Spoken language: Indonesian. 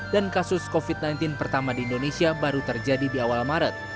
dan kasus covid sembilan belas pertama di indonesia baru terjadi di awal maret